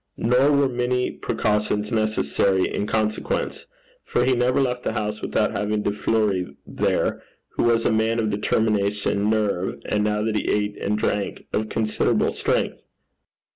Nor were many precautions necessary in consequence; for he never left the house without having De Fleuri there, who was a man of determination, nerve, and, now that he ate and drank, of considerable strength.